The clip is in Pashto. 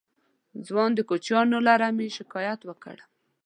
ځوان د کوچيانو له رمې شکايت وکړ.